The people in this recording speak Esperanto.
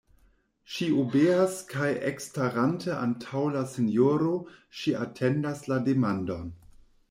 Ŝi obeas kaj ekstarante antaŭ la sinjoro, ŝi atendas la demandon.